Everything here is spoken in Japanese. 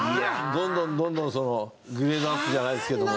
どんどんどんどんグレードアップじゃないですけども。